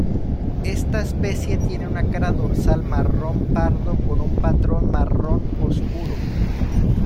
Esta especie tiene una cara dorsal marrón pardo con un patrón marrón oscuro.